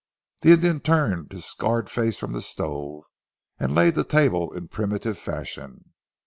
The Indian turned his scarred face from the stove, and laid the table in primitive fashion.